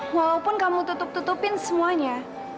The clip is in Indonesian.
walaupun kamu tutup tutupin semuanya